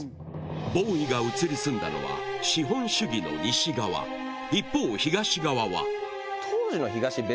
ボウイが移り住んだのは資本主義の西側一方東側はライブダメ。